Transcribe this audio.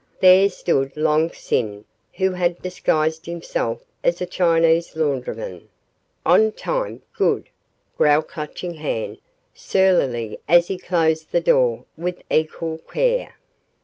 There stood Long Sin, who had disguised himself as a Chinese laundryman. "On time good!" growled Clutching Hand surlily as he closed the door with equal care.